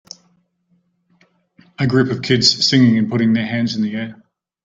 A group of kids singing and putting their hands in the air